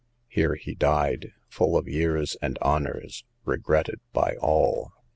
Here he died, full of years and honours, regretted by all.